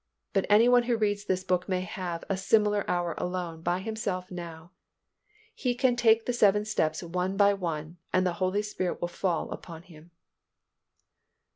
But any one who reads this book may have a similar hour alone by himself now. He can take the seven steps one by one and the Holy Spirit will fall upon him.